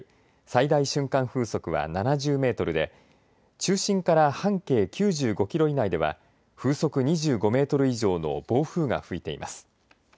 最大瞬間風速は７０メートルで中心から半径９５キロ以内では風速２５メートル以上の暴風が吹いています。